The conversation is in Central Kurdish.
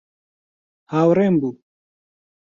هاوڕێم بوو.